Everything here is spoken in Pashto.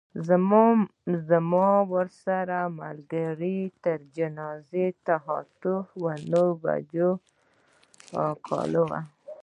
زما ورسره ملګرۍ تر جنازې اته یا نهه کلونه وه.